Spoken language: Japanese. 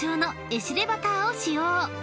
エシレバターを使用］